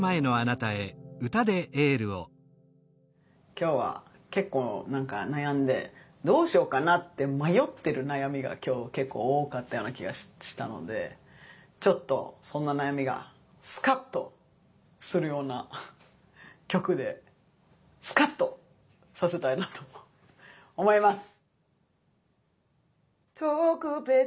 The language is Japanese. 今日は結構何か悩んでどうしようかなって迷ってる悩みが今日結構多かったような気がしたのでちょっとそんな悩みがスカッとするような曲でスカッとさせたいなと思います！